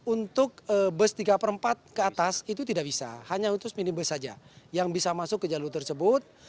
untuk bus tiga per empat ke atas itu tidak bisa hanya untuk minibus saja yang bisa masuk ke jalur tersebut